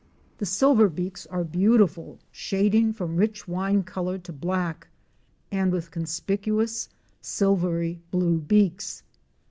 The Silverbeaks are beautiful, shading from rich wine color to black, and with conspicuous silvery blue beaks.